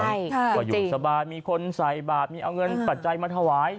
ใช่ค่ะก็อยู่สบายมีคนใส่บาทมีเอาเงินปัจจัยมาถวาย